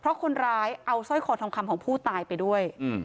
เพราะคนร้ายเอาสร้อยคอทองคำของผู้ตายไปด้วย